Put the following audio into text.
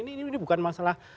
ini bukan masalah